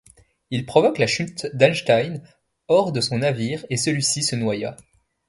Il provoqua la chute d'Eystein hors de son navire et celui-ci se noya.